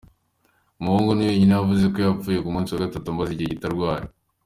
Umuhungu wiwe niwe yavuze ko yapfuye ku munsi wa gatatu amaze igihe gito arwaye.